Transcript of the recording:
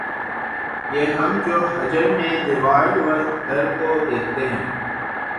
یہ ہم جو ہجر میں دیوار و در کو دیکھتے ہیں